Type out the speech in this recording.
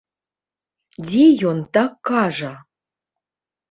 Дзе ён так кажа?